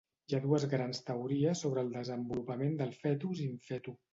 Hi ha dues grans teories sobre el desenvolupament del fetus in fetu.